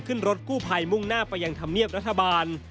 ขึ้นรถกู้ภัยมุ่งหน้าไปยังธรรมเนียบรัฐบาล